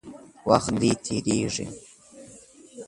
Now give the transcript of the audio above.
وخت دی، تېرېږي.